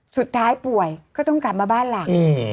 สุดท้ายป่วยก็ต้องกลับมาบ้านหลัง